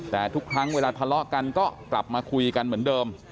แต่ทุกครั้งเวลาทะเลาะกันก็กลับมาคุยกันเหมือนเดิม